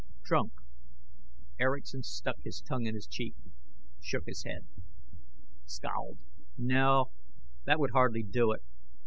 "Drunk " Erickson stuck his tongue in his cheek, shook his head, scowled. "No, that would hardly do it.